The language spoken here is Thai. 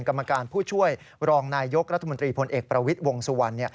กรรมการผู้ช่วยรองนายยกรัฐมนตรีพลเอกประวิทย์วงสุวรรณ